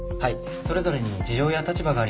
それぞれに事情や立場があります。